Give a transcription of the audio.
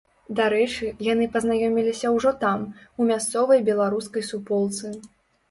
Дарэчы, яны пазнаёміліся ўжо там, у мясцовай беларускай суполцы.